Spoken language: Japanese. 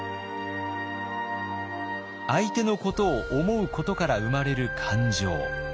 相手のことを思うことから生まれる感情。